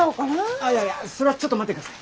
ああいやいやそれはちょっと待ってください。